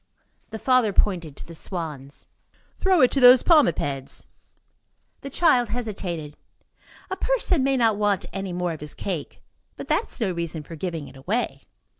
The father pointed to the swans. "Throw it to those palmipeds." The child hesitated. A person may not want any more of his cake; but that is no reason for giving it away.